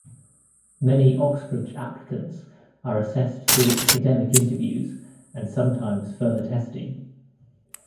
Many Oxbridge applicants are assessed through academic interviews and sometimes further testing.